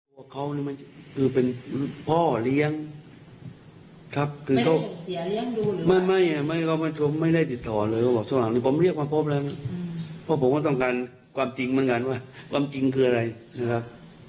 ความจริงเหมือนกันว่าความจริงคืออะไรนะครับ